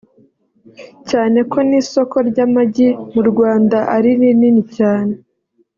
cyane ko n’isoko ry’amagi mu Rwanda ari rinini cyane